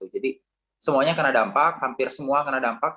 jadi semuanya kena dampak hampir semua kena dampak